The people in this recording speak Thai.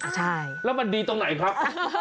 ใช่แล้วมันดีตรงไหนครับ